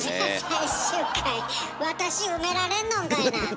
私埋められんのんかいな！